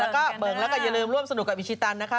ไปเบิร์งกันด้ออย่าลืมร่วมสนุกกับอิจฉีตันนะคะ